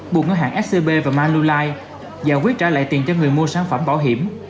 buộc ngân hàng scb và manulife giải quyết trả lại tiền cho người mua sản phẩm bảo hiểm